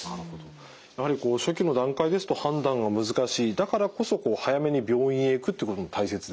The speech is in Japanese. やはりこう初期の段階ですと判断が難しいだからこそ早めに病院へ行くってことも大切ですね。